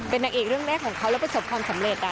เป็นนางเอกเรื่องแรกของเขาแล้วประสบความสำเร็จ